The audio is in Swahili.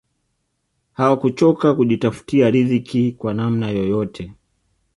hawakuchoka kujitafutia ridhiki kwa namna yoyote